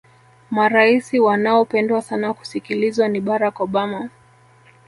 maraisi wanaopendwa sana kusikilizwa ni barack obama